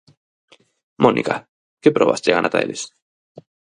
Mónica, que probas chegan ata eles?